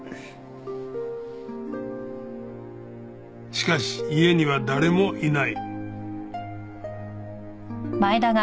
しかし家には誰もいない。